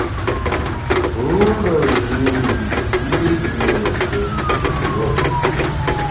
Мы должны усилить роль женщин в обществе.